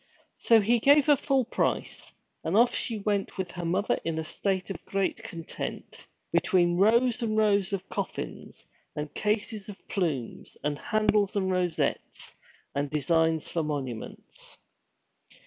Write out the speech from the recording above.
So he gave her full price, and she went off with her mother in a state of great content, between rows and rows of coffins, and cases of plumes, and handles and rosettes, and designs for monuments.